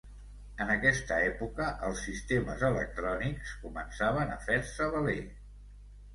En aquesta època els sistemes electrònics començaven a fer-se valer.